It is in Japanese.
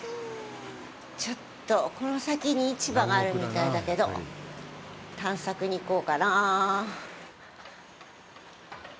ちょっと、この先に市場があるみたいだけど探索に行こうかなあ。